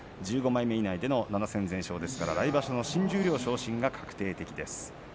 １５枚目以内での優勝ですから来場所の十両昇進が確定的です。